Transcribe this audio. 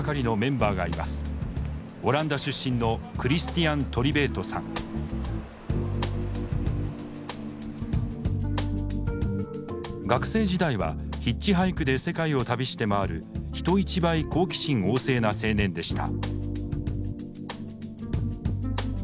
オランダ出身の学生時代はヒッチハイクで世界を旅して回る人一倍好奇心旺盛な青年でした。